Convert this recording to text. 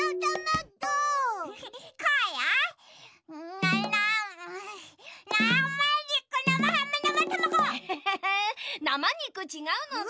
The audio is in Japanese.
なまにく？ちがうのだ。